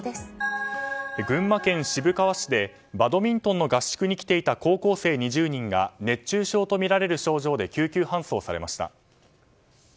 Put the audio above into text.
群馬県渋川市でバドミントンの合宿に来ていた高校生２０人が熱中症とみられる症状で救急搬送されました。